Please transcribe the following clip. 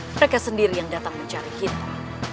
mereka sendiri yang datang mencari kita